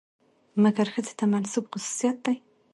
مکر ښځې ته منسوب خصوصيت دى.